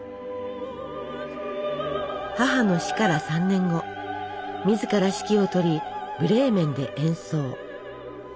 母の死から３年後自ら指揮をとりブレーメンで演奏。